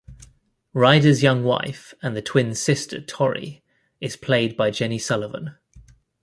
Rider's young wife and the twins' sister, Torrie, is played by Jenny Sullivan.